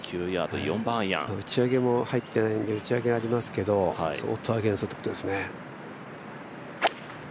打ち上げが入っていないんで打ち上げがありますけど、相当アゲンストということですね。